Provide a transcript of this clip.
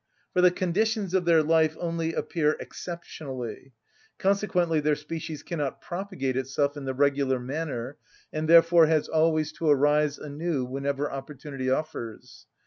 For the conditions of their life only appear exceptionally; consequently their species cannot propagate itself in the regular manner, and therefore has always to arise anew whenever opportunity offers.